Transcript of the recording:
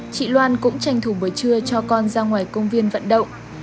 chị loan cũng tranh thủ buổi trưa cho con ra ngoài công viên vận động